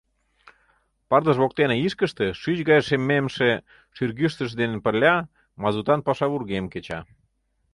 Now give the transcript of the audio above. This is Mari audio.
Пырдыж воктене ишкыште, шӱч гай шемемше шӱргӱштыш дене пырля, мазутан паша вургем кеча.